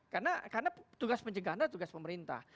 karena tugas pencegahan adalah tugas pemerintah